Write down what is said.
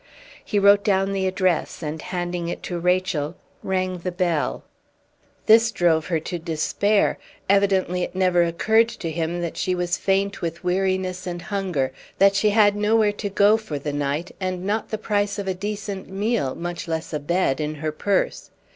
He wrote down the address, and, handing it to Rachel, rang the bell. This drove her to despair; evidently it never occurred to him that she was faint with weariness and hunger, that she had nowhere to go for the night, and not the price of a decent meal, much less a bed, in her purse.